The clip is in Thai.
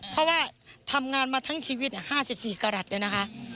เพราะว่าทำงานมาทั้งชีวิต๕๔กรัฐเนี่ยนะคะ